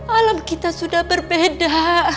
alam kita sudah berbeda